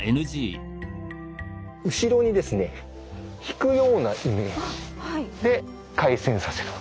後ろにですね引くようなイメージで回旋させる。